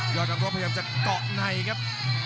ยอดนักลงพยายามจะเกาะในครับ